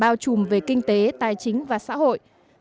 phát triển bao trùm về kinh tế tài chính và xã hội